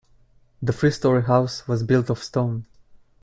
The three story house was built of stone.